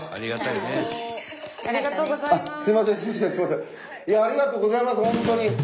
いやありがとうございます本当に。